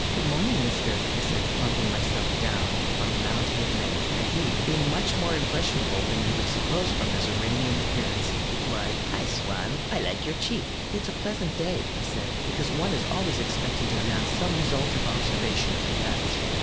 "Good morning, mister," I said, plumping myself down upon the mound he had made, and he, being much more impressionable than you would suppose from his Uranian appearance, replied: "I swan, I like your cheek." "It's a pleasant day," I said, because one is always expected to announce some result of observation of the atmosphere.